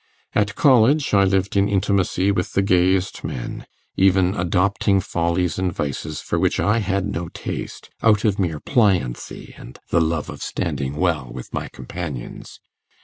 At college I lived in intimacy with the gayest men, even adopting follies and vices for which I had no taste, out of mere pliancy and the love of standing well with my companions.